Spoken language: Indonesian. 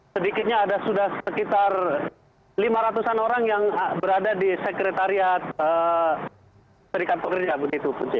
sedikitnya ada sudah sekitar lima ratusan orang yang berada di sekretariat serikat pekerja begitu bu cis